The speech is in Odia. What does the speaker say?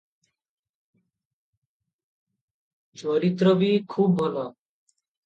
ଚରିତ୍ରଟି ବି ଖୁବ୍ ଭଲ ।